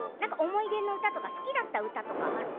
思い出の歌とか好きだった歌とかある？